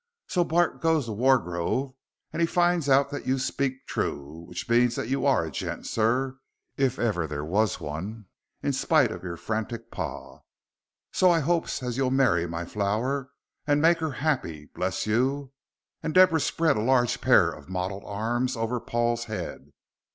So Bart goes to Wargrove, and he find out that you speaks true, which means that you're a gent, sir, if ever there was one, in spite of your frantic pa, so I hopes as you'll marry my flower, and make her happy bless you," and Deborah spread a large pair of mottled arms over Paul's head.